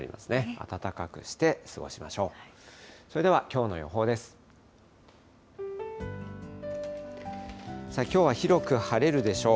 暖かくして過ごしましょう。